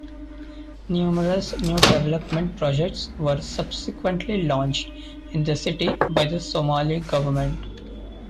Numerous new development projects were subsequently launched in the city by the Somali government.